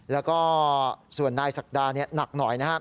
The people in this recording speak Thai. แล้วก็ส่วนนายศักดาหนักหน่อย